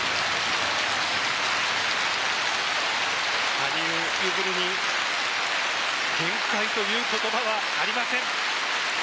羽生結弦に限界という言葉はありません。